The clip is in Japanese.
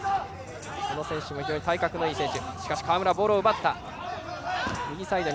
この選手も非常に体格のいい選手。